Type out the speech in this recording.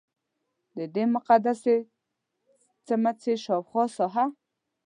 ددې مقدسې څمڅې شاوخوا ساحه.